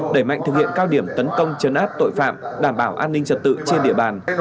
đẩy mạnh thực hiện cao điểm tấn công chấn áp tội phạm đảm bảo an ninh trật tự trên địa bàn